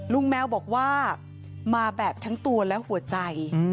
แมวบอกว่ามาแบบทั้งตัวและหัวใจ